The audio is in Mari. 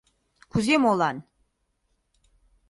Кузе молан?